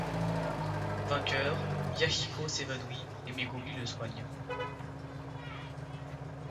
Vainqueur, Yahiko s'évanouit, et Megumi le soigne.